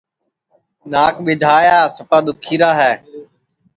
ناک ٻیدھایا سپا دُؔکھ ہوئیرا ہے